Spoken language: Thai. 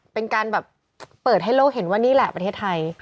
เป็นการแบบเปิดให้โลกเห็นว่านี่แหละประเทศไทย